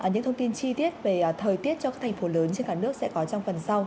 những thông tin chi tiết về thời tiết cho các thành phố lớn trên cả nước sẽ có trong phần sau